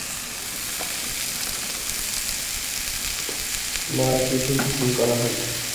মারাকেশেও shooting করা হয়।